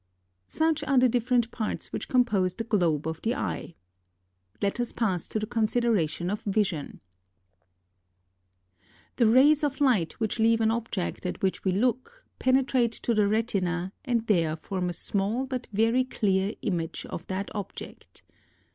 Such are the different parts which compose the globe of the eye. Let us pass to the consideration of vision. 22. The rays of light which leave an object at which we look, penetrate to the retina and there form a small but very clear image of that object.